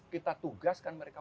kita tugaskan mereka